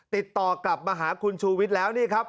ติดต่อกลับมาหาคุณชูวิทย์แล้วนี่ครับ